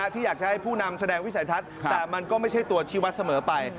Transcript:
ที่อยากจะให้ผู้นำแสดงวิสัยทัศน์แต่มันก็ไม่ใช่ตัวชีวัตรเสมอไป